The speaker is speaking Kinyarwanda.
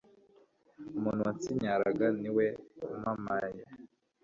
umuntu wansinyaraga niwe umpamaye